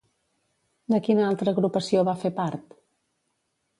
De quina altra agrupació va fer part?